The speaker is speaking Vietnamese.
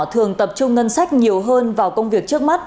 thường tập trung ngân sách nhiều hơn vào công việc trước mắt